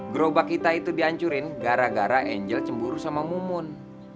gerobak kita itu dihancurin gara gara angel cemburu sama mumun